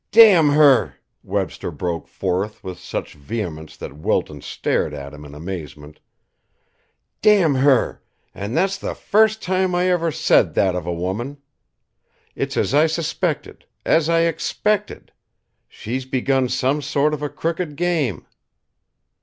"Damn her!" Webster broke forth with such vehemence that Wilton stared at him in amazement. "Damn her! And that's the first time I ever said that of a woman. It's as I suspected, as I expected. She's begun some sort of a crooked game!"